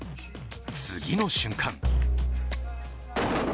次の瞬間。